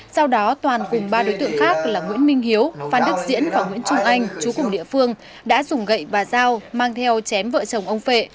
sau đó toàn cùng ba đối tượng khác là nguyễn minh hiếu phan đức diễn và nguyễn trung anh chú cùng địa phương đã dùng gậy và dao mang theo chém vợ chồng ông vệ